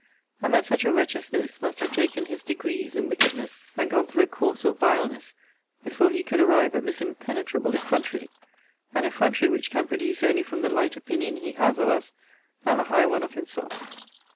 and that such a wretch as this must have taken his degrees in wickedness, and gone through a course of vileness, before he could arrive at this impenetrable effrontery? an effrontery which can produce only from the light opinion he has of us, and the high one of himself.